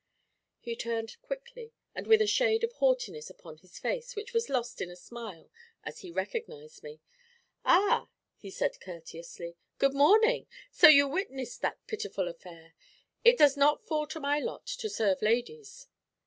He turned quickly, and with a shade of haughtiness upon his face, which was lost in a smile as he recognised me. 'Ah,' he said courteously, 'good morning! So you witnessed that pitiful affair. It does not fall to my lot to serve ladies.'